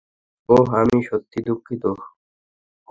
ওহহ আমি সত্যিই দুঃখিত!